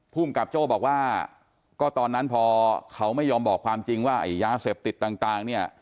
ภูมิกับโจ้บอกว่าก็ตอนนั้นพอเขาไม่ยอมบอกความจริงว่าไอ้ยาเสพติดต่างเนี่ย